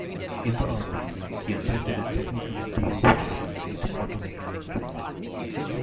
In the Army, he attended a technical school where he received auto mechanic training.